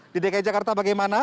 di dki jakarta bagaimana